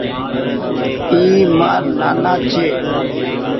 اي مآر نآنآ ڇي۔